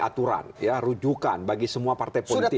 aturan ya rujukan bagi semua partai politik